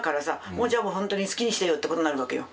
もうじゃあほんとに好きにしてよってことになるわけよ。